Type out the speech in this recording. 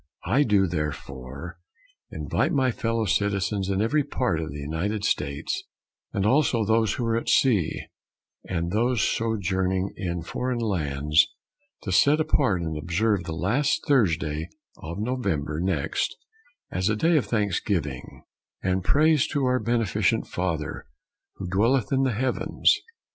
I do, therefore, invite, my fellow citizens in every part of the United States, and also those who are at sea, and those sojourning in foreign lands, to set apart and observe the last Thursday of November next as a day of thanksgiving and praise to our beneficent Father who dwelleth in the heavens.